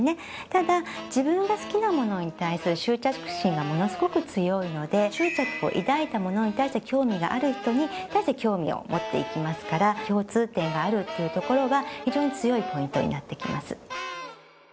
ただ自分が好きなものに対する執着心がものすごく強いので執着を抱いたものに対して興味がある人に対して興味を持っていきますから共通点があるっていうところは非常に強いポイントになってきます。